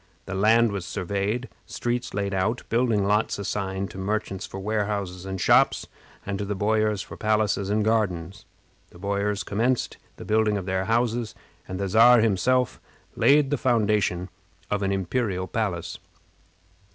The land was surveyed, streets laid out, building lots assigned to merchants for warehouses and shops, and to the boyars for palaces and gardens. The boyars commenced the building of their houses, and the Czar himself laid the foundation of an imperial palace.